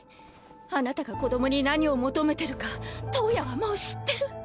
あなたが子どもに何を求めてるか燈矢はもう知ってる！